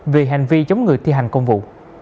vì hành vi chống người thi hành công vụ